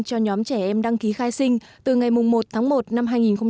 cho nhóm trẻ em đăng ký khai sinh từ ngày một tháng một năm hai nghìn một mươi sáu